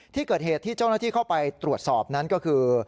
ที่เกิดเหตุที่เจ้าหน้าที่เข้าไปตรวจสอบนั้นก็คือ